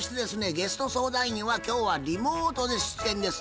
ゲスト相談員は今日はリモートで出演です。